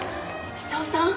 久男さん